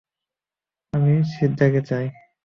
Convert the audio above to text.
আমার সিম্বাকে চাই!